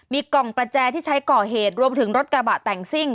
มีกล่องประแจที่ใช้ก่อเหตุรวมถึงรถกระบะแต่งซิ่ง